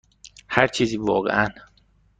هر چیزی، واقعا.